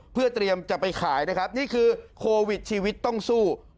เพื่อเตรียมจะไปขายนะครับนี่คือโควิดชีวิตต้องสู้